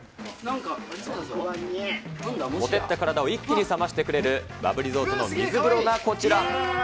ほてった体を一気に冷ましてくれるバブリゾートの水風呂がこちら。